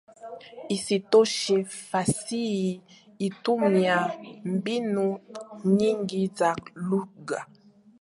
Isitoshe, fasihi hutumia mbinu nyingi za lugha.